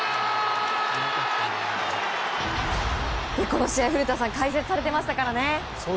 この試合、古田さん解説されていましたね。